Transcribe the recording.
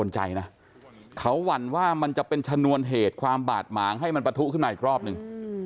เขาหวั่นว่ามันจะเป็นชนวนเหตุความบาดหมางให้มันปะทุขึ้นมาอีกรอบหนึ่ง